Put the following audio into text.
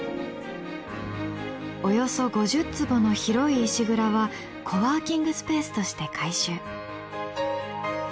およそ５０坪の広い石蔵はコワーキングスペースとして改修。